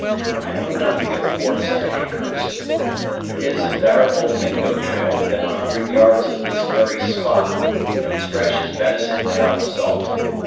I know nothing of ports and anchors; but there is a direful Mingo trail within a hundred yards of this very spot, and as fresh as venison without salt.